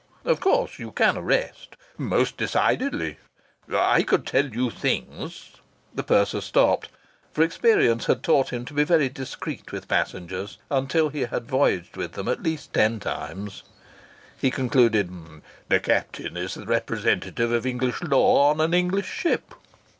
"Of course you can arrest?" "Most decidedly. I could tell you things " The purser stopped, for experience had taught him to be very discreet with passengers until he had voyaged with them at least ten times. He concluded: "The captain is the representative of English law on an English ship."